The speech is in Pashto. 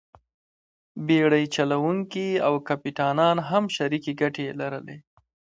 بېړۍ چلوونکي او کپټانان هم شریکې ګټې یې لرلې.